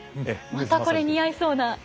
またこれ似合いそうな。